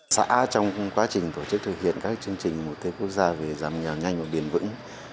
xã trong quá trình tổ chức thực hiện các chương trình mùa thuê quốc gia về giảm nghèo nhanh và biển vững